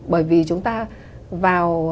bởi vì chúng ta vào